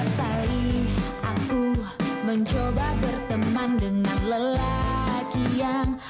tiap kali aku mencoba berteman dengan lelaki yang